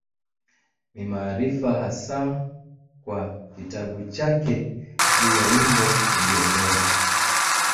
Ni maarufu hasa kwa kitabu chake juu ya Wimbo Ulio Bora.